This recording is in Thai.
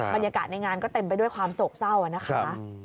บรรยากาศในงานก็เต็มไปด้วยความโศกเศร้านะคะ